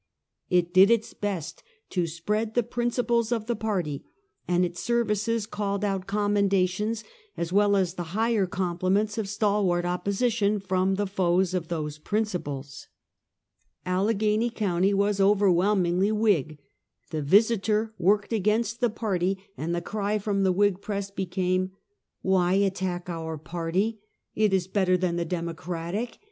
It did its best to spread the principles of the party, and its ser\'ices called out commendations, as well as the higher compliments of stalwart opposition from the foes of those principles. 156 Half a Centuey. Allegheny county was overwhelmingly "Whig. The Visiter worked against the party, and the cry from the "Whig press became: " Why attack our party ? It is better than the Demo cratic.